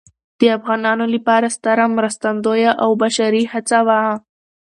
د افغانانو لپاره ستره مرستندویه او بشري هڅه وه.